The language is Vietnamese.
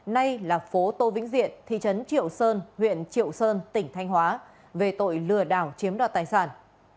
nay là phố tô vĩnh diện thị trấn triệu sơn huyện triệu sơn tỉnh thanh hóa về tội lừa đảo chiếm đoạt tài sản